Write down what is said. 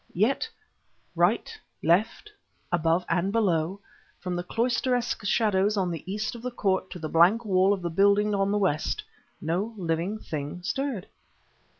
Yet, right, left, above and below, from the cloisteresque shadows on the east of the court to the blank wall of the building on the west, no living thing stirred.